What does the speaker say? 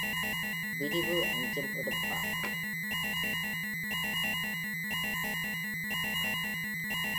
விரிவு அஞ்சி விடுப்பாம்.